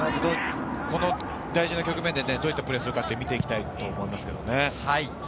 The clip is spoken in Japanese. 大事な局面でどういったプレーをするか見ていきたいと思います。